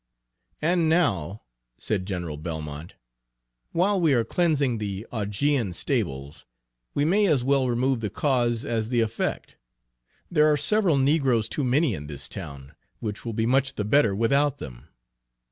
"And now," said General Belmont, "while we are cleansing the Augean stables, we may as well remove the cause as the effect. There are several negroes too many in this town, which will be much the better without them.